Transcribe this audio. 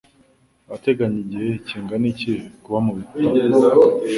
Urateganya igihe kingana iki kuba mubitabo?